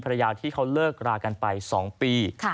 ภรรยาที่เขาเลิกรากันไป๒ปี